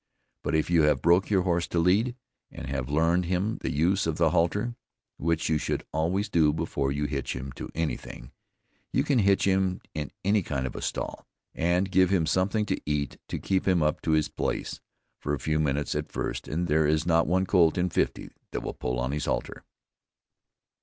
But if you have broke your horse to lead, and have learned him the use of the halter (which you should always do before you hitch him to any thing), you can hitch him in any kind of a stall, and give him something to eat to keep him up to his place for a few minutes at first and there is not one colt in fifty that will pull on his halter.